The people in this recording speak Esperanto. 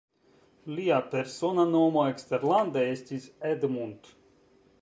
Lia persona nomo eksterlande estis "Edmund".